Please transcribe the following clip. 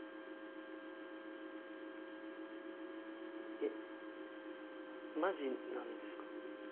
えマジなんですか？